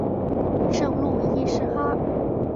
圣路易士哈！